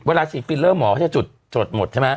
เวลาฉีดฟิลเลอร์หมอจะจุดจดหมดใช่ไหม